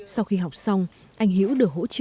sau khi học xong anh hiễu được hỗ trợ một đồng tiền